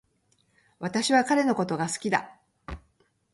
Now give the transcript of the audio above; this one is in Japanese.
私は彼のことが好きだ